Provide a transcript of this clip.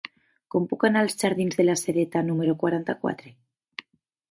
Com puc anar als jardins de la Sedeta número quaranta-quatre?